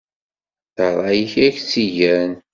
D ṛṛay-ik i ak-tt-igan.